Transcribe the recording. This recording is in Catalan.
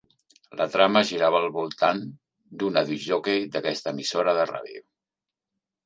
La trama girava al voltant d'una discjòquei d'aquesta emissora de ràdio.